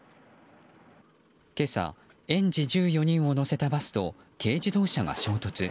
今朝、園児１４人を乗せたバスと軽自動車が衝突。